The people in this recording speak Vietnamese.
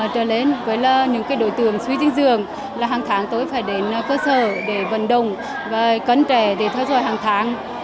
trở lên với những cái đội tường suy dinh dường là hàng tháng tôi phải đến cơ sở để vận động và cân trẻ để theo dõi hàng tháng